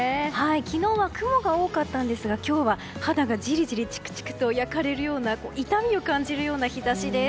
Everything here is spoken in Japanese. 昨日は雲が多かったんですが今日は肌がジリジリ、チクチクと焼かれるような痛みを感じるような日差しです。